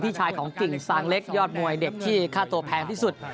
ชายของกิ่งซางเล็กยอดมวยเด็กที่ค่าตัวแพงที่สุด